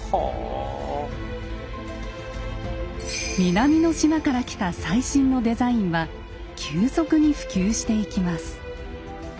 南の島から来た最新のデザインは急速に普及していきます。